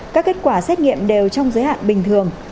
các kết quả xét nghiệm đều trong giới hạn bình thường